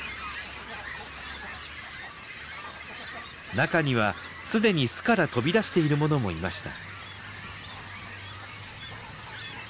中にはすでに巣から飛び出しているものもいました。